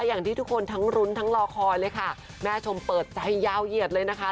อย่างที่ทุกคนทั้งรุ้นทั้งรอคอยเลยค่ะแม่ชมเปิดใจยาวเหยียดเลยนะคะ